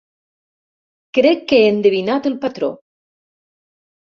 Crec que he endevinat el patró!